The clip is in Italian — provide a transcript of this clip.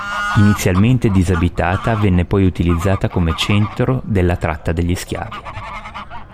Inizialmente disabitata, venne poi utilizzata come centro della tratta degli schiavi.